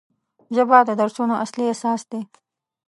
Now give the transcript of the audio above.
ژبه د درسونو اصلي اساس دی